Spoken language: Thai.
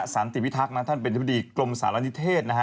สันติพิทักษ์นางท่านเป็นทรัพย์ดีกรมสหรัฐนิเทศ